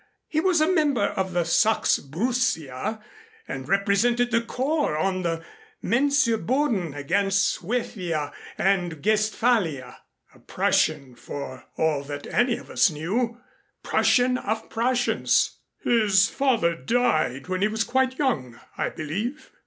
He was a member of the Saxe Borussia and represented the Corps on the Mensurboden against Suevia and Guestphalia. A Prussian for all that any of us knew Prussian of Prussians." "His father died when he was quite young, I believe?"